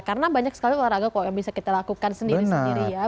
karena banyak sekali olahraga kok yang bisa kita lakukan sendiri sendiri ya